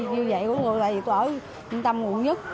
tại vì tôi ở trung tâm nguồn nhất